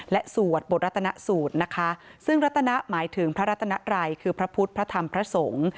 และสวดบทรัฐนสูตรนะคะซึ่งรัตนหมายถึงพระรัตนไรคือพระพุทธพระธรรมพระสงฆ์